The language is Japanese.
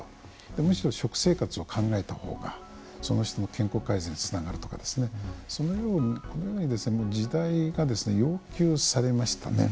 むしろ食生活を考えたほうがその人の健康改善につながるとかそのように時代が要求されましたね。